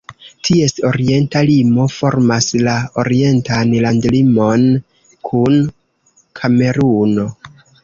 Ties orienta limo formas la orientan landlimon kun Kameruno.